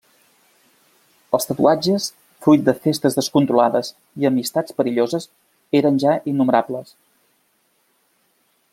Els tatuatges fruit de festes descontrolades i amistats perilloses eren ja innumerables.